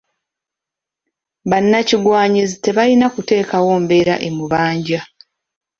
Bannakigwanyizi tebalina kuteekawo mbeera emubanja.